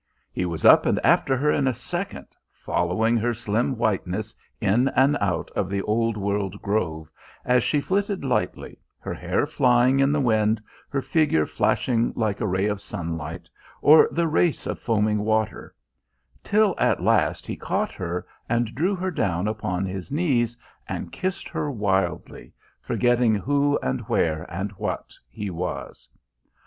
He was up and after her in a second, following her slim whiteness in and out of the old world grove, as she flitted lightly, her hair flying in the wind, her figure flashing like a ray of sunlight or the race of foaming water till at last he caught her and drew her down upon his knees, and kissed her wildly, forgetting who and where and what he was.